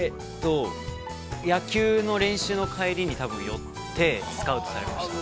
◆野球の練習の帰りによってスカウトされました。